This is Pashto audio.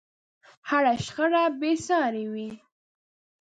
هره شخړه بې سارې وي.